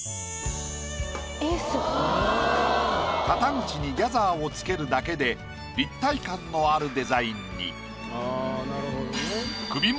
肩口にギャザーをつけるだけで立体感のあるデザインに。